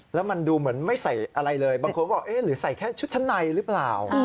แล้วมันดูเหมือนไม่ใส่อะไรเลยบางคนก็บอกเอ๊ะหรือใส่แค่ชุดชั้นในหรือเปล่า